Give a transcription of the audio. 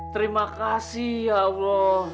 terima kasih ya allah